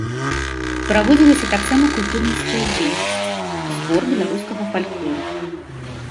Праводзілася таксама культурніцкая дзейнасць, збор беларускага фальклору.